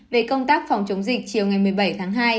về công tác phòng chống dịch chiều ngày một mươi bảy tháng hai